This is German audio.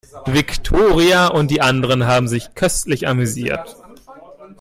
Viktoria und die anderen haben sich köstlich amüsiert.